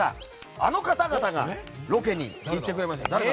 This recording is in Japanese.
あの方々がロケに行ってくれました。